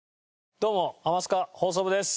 どうも『ハマスカ放送部』です。